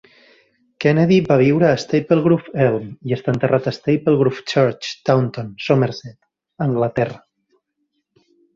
Kennedy va viure a Staplegrove Elm, i està enterrat a Staplegrove Church, Taunton, Somerset, Anglaterra.